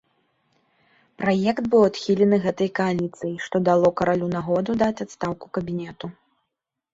Праект быў адхілены гэтай кааліцыяй, што дало каралю нагоду даць адстаўку кабінету.